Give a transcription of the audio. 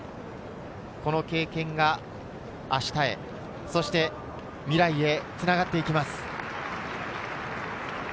この経験が明日へ、そして未来へつながってきます。